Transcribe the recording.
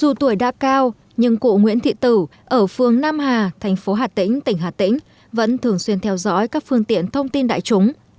dù tuổi đã cao nhưng cụ nguyễn thị tử ở phương nam hà thành phố hà tĩnh tỉnh hà tĩnh vẫn thường xuyên theo dõi các phương tiện thông tin đại chúng